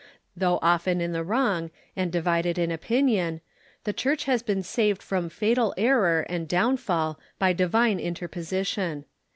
Though often in the wrong, and divided in opinion, the Church has been saved from fatal error and downfall by divine interposition.